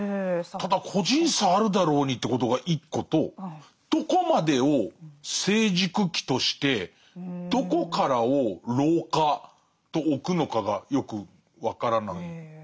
ただ個人差あるだろうにということが一個とどこまでを成熟期としてどこからを老化とおくのかがよく分からないかな。